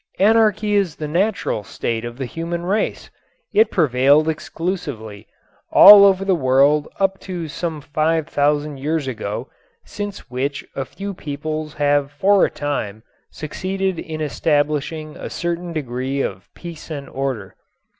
Anarchy is the natural state of the human race. It prevailed exclusively all over the world up to some five thousand years ago, since which a few peoples have for a time succeeded in establishing a certain degree of peace and order.